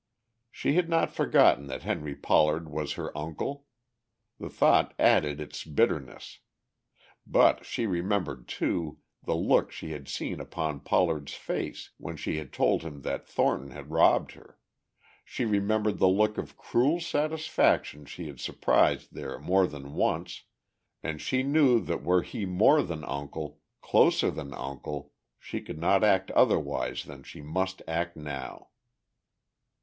She had not forgotten that Henry Pollard was her uncle. The thought added its bitterness. But she remembered, too, the look she had seen upon Pollard's face when she had told him that Thornton had robbed her, she remembered the look of cruel satisfaction she had surprised there more than once, and she knew that were he more than uncle, closer than uncle, she could not act otherwise than she must act now.